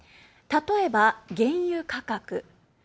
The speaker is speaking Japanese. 例えば、原油価格。